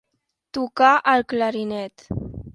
Tocar el clarinet.